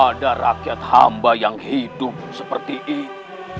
ada rakyat hamba yang hidup seperti itu